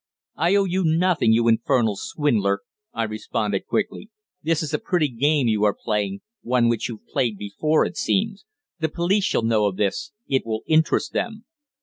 "I owe you nothing, you infernal swindler!" I responded quickly. "This is a pretty game you are playing one which you've played before, it seems! The police shall know of this. It will interest them."